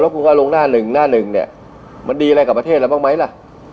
คุณก็ลงหน้าหนึ่งหน้าหนึ่งเนี่ยมันดีอะไรกับประเทศเราบ้างไหมล่ะ